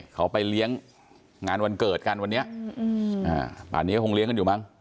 เขาไปเลี้ยงงานวันเกิดกันวันนี้อันนี้ก็คงเลี้ยงกันอยู่มั้ง